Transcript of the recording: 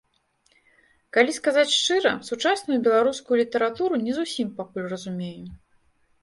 Калі сказаць шчыра, сучасную беларускую літаратуру не зусім пакуль разумею.